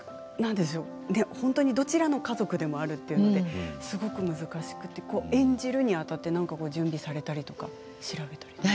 本当にどちらの家族でもあるというのですごく難しくて演じるにあたって何か準備されたりとか、調べたりとか。